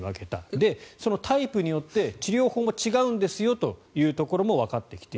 で、そのタイプによって治療法も違うということがわかってきている。